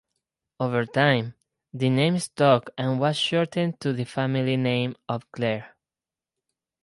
Over time, the name stuck and was shortened to the family name of Clair.